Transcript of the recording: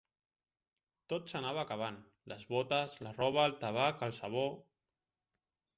Tot s'anava acabant: les botes, la roba, el tabac, el sabó